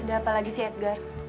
ada apa lagi sih edgar